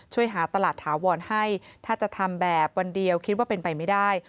ช่วยหาตลาดถาวรให้ถ้าจะทำแบบวันเดียวคิดว่าเป็นไปไม่ได้